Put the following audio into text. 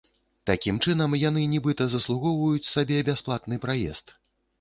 Такім чынам яны, нібыта, заслугоўваюць сабе бясплатны праезд.